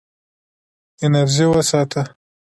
انرژي وساته.